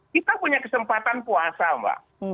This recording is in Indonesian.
kita punya kesempatan puasa mbak